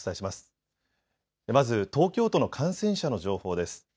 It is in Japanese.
まず東京都の感染者の情報です。